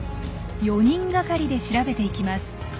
４人がかりで調べていきます。